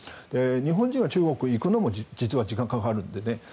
日本人が中国に行くのも実は時間かかるので。